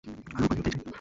আর, রূপালিও তাই চায়।